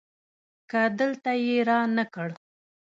که دلته يي رانه کړ